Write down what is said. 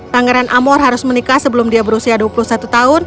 pangeran amor harus menikah sebelum dia berusia dua puluh satu tahun